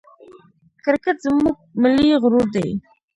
کرکټ زموږ ملي غرور دئ.